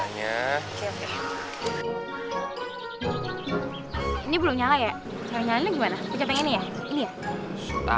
bagaimana nyalainnya pijat pengen nih ya